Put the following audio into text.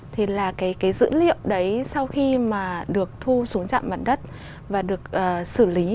thì là cái dữ liệu đấy sau khi mà được thu xuống trạm mặt đất và được xử lý